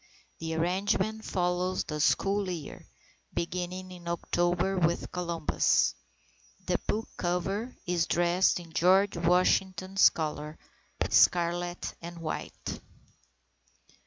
The arrangement follows the school year, beginning in October with Columbus. The book cover is dressed in George Washington's colours, scarlet and white.